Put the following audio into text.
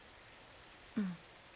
うん。